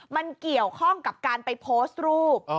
มันเกี่ยวข้องกับการไปโพสต์รูป